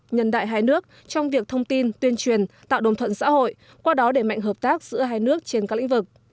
nhân đại hai nước trong việc thông tin tuyên truyền tạo đồng thuận xã hội qua đó để mạnh hợp tác giữa hai nước trên các lĩnh vực